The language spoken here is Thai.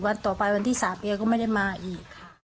วันต่อไปวันที่๓แกก็ไม่ได้มาอีกค่ะ